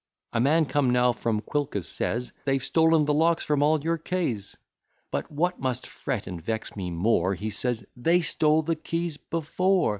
A man come now from Quilca says, "They've stolen the locks from all your keys;" But, what must fret and vex me more, He says, "They stole the keys before.